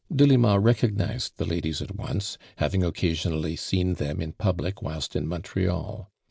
Delima recognized the ladies at once, liaving occasionally seen them in public whilst in Montreal.